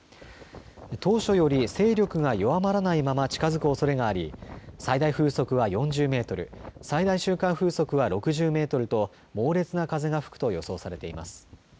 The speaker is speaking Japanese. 当初より勢力が弱まらないまま近づくおそれがあり最大風速は４０メートル、最大瞬間風速は６０メートルと猛烈な風が吹くと予想されています。